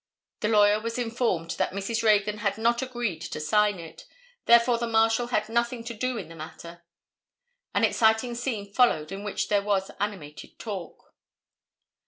The lawyer was informed that Mrs. Reagan had not agreed to sign it; therefore the Marshal had nothing to do in the matter. An exciting scene followed in which there was animated talk.